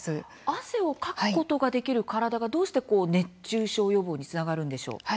汗をかくことができる体がどうして熱中症予防につながるんでしょう。